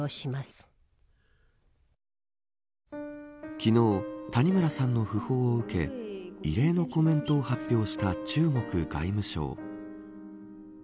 昨日、谷村さんの訃報を受け異例のコメントを発表した中国外務省。